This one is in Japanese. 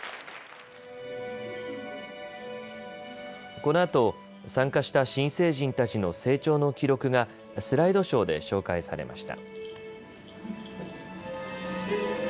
このあと参加した新成人たちの成長の記録がスライドショーで紹介されました。